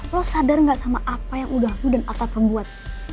lo sadar gak sama apa yang udah lu dan alta perbuat